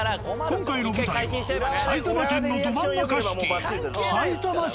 今回の舞台は埼玉県のど真ん中シティ。